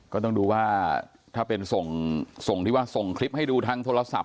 ก็ต้องดูว่าถ้าเป็นส่งที่ว่าส่งคลิปให้ดูทางโทรศัพท์